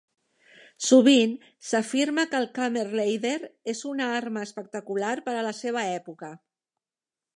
Sovint s'afirma que el kammerlader és una arma espectacular per a la seva època.